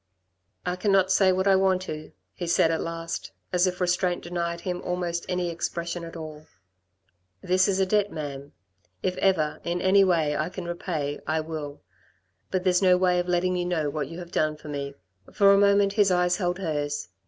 "I cannot say what I want to," he said at last, as if restraint denied him almost any expression at all. "This is a debt, ma'am. If ever, in any way, I can repay, I will. But there's no way of letting you know what you have done for me." For a moment his eyes held hers.